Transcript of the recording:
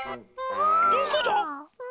どこだ？え？